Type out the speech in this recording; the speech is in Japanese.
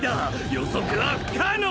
予測は不可能。